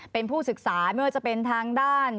เป็นผู้ศึกษาไม่ว่าจะเป็นทางด้าน